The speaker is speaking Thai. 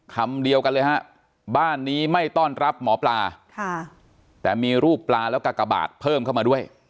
คำเดียวกันเลยฮะบ้านนี้ไม่ต้อนรับหมอปลาแต่มีรูปปลาแล้วกากบาทเพิ่มเข้ามาด้วย